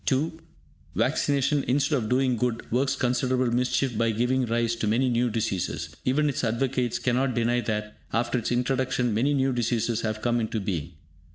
(2) Vaccination, instead of doing good, works considerable mischief by giving rise to many new diseases. Even its advocates cannot deny that, after its introduction, many new diseases have come into being.